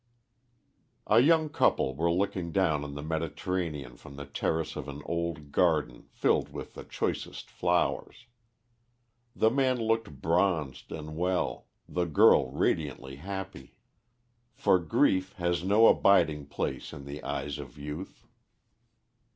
A young couple were looking down on the Mediterranean from the terrace of an old garden filled with the choicest flowers. The man looked bronzed and well, the girl radiantly happy. For grief has no abiding place in the eyes of youth.